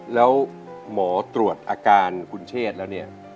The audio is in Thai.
แล้วหมอตรวจอาการคุณเชษแล้วเนี่ย